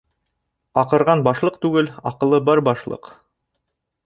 Аҡырған башлыҡ түгел, аҡылы бар башлыҡ.